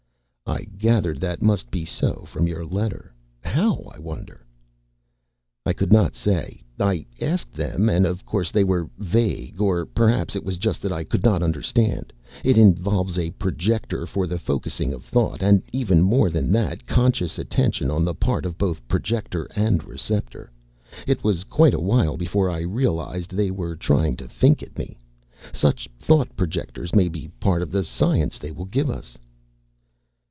"I gathered that must be so from your letter. How, I wonder." "I could not say. I asked them and, of course, they were vague. Or perhaps it was just that I could not understand. It involves a projector for the focussing of thought and, even more than that, conscious attention on the part of both projector and receptor. It was quite a while before I realized they were trying to think at me. Such thought projectors may be part of the science they will give us."